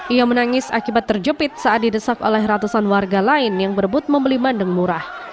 ia menangis akibat terjepit saat didesak oleh ratusan warga lain yang berebut membeli bandeng murah